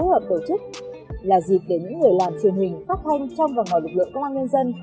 là dịch đến những người làm truyền hình phát thanh trong vàng hỏi lực lượng công an nhân dân